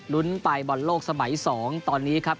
ลุ้นไปบอลโลกสมัย๒ตอนนี้ครับ